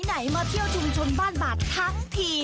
ไหนมาเที่ยวชุมชนบ้านบาดทั้งที